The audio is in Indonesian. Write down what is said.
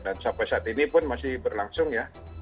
dan sampai saat ini pun masih berlangsung ya